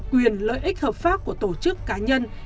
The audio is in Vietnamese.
quyền lợi ích hợp pháp của tổ chức cá nhân